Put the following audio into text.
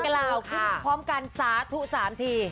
กล่าวพรุ่งพร้อมกันสาถุสามที